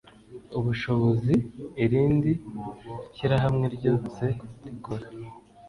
ubushobozi irindi shyirahamwe ryose rikora